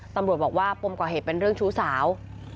ตำรวจบอกว่าปมก่อเหตุเป็นเรื่องชู้สาว